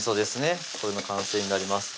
これの完成になります